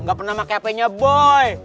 gak pernah pake hpnya boy